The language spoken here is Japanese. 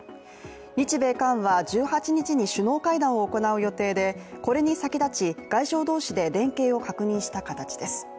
日米韓は１８日に首脳会談を行う予定でこれに先立ち、外相同士で連携を確認した形です。